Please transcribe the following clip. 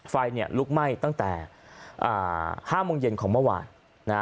ไฟลุกไหม้ตั้งแต่๕โมงเย็นของเมื่อวานนะฮะ